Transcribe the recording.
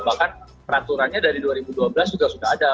bahkan peraturannya dari dua ribu dua belas juga sudah ada